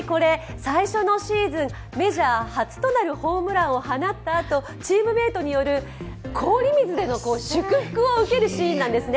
最初のシーズン、メジャー初となるホームランを放ったあと、チームメイトによる氷水での祝福を受けるシーンなんですね。